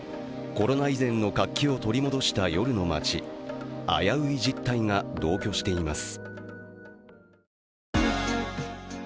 コロナ以前の活気を取り戻した夜の街、危うい実態が同居しています。